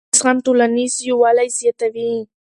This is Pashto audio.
سیاسي زغم ټولنیز یووالی زیاتوي